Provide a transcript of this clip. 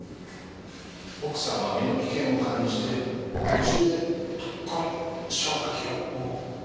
奥さんは身の危険を感じて夢中でこの消火器をこう振り回した。